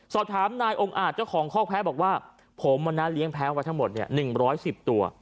สอบถามนายองค์อาจเจ้าของคอกแพ้บอกว่าผมเลี้ยงแพ้ไว้ทั้งหมด๑๑๐ตัว